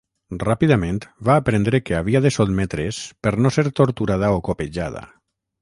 Ràpidament va aprendre que havia de sotmetre's per no ser torturada o copejada.